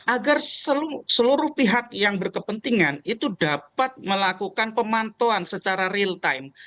agar seluruh pihak yang berkepentingan itu dapat melakukan pemantauan secara real time